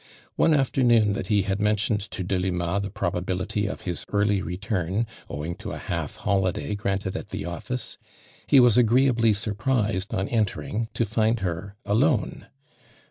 One afternoon that he had mentioned to Delima the pro bability of his early return, owing to a half holiday granted at the office, he was agree ably surprised on entering to find her alone.